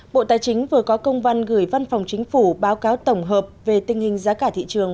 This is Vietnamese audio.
bộ tài chính vừa có công văn gửi văn phòng chính phủ báo cáo tổng hợp về tình hình giá cả thị trường